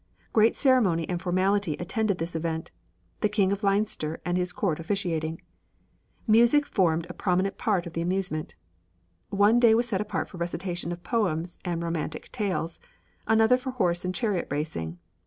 Great ceremony and formality attended this event, the King of Leinster and his court officiating. Music formed a prominent part of the amusement. One day was set apart for recitation of poems and romantic tales, another for horse and chariot racing.